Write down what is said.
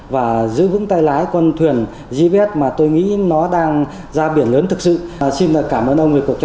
và trên cơ sở giá trị gia tăng lấy được hiệu quả